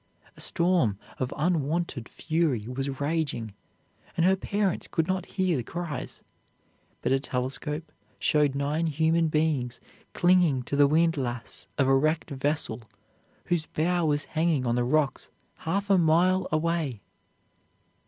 A storm of unwonted fury was raging, and her parents could not hear the cries; but a telescope showed nine human beings clinging to the windlass of a wrecked vessel whose bow was hanging on the rocks half a mile away.